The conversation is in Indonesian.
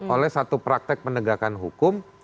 oleh satu praktek penegakan hukum